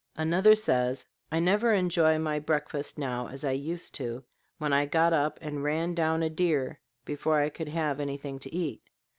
Another says, "I never enjoy my breakfast now as I used to, when I got up and ran down a deer before I could have anything to eat."